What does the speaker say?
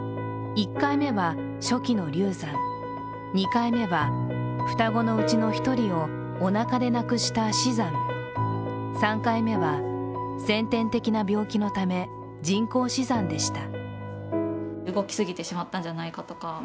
１回目は初期の流産、２回目は、双子のうちの１人をおなかで亡くした死産３回目は、先天的な病気のため、人工死産でした。